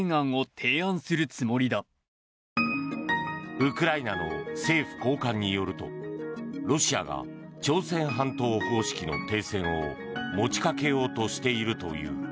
ウクライナの政府高官によるとロシアが朝鮮半島方式の停戦を持ち掛けようとしているという。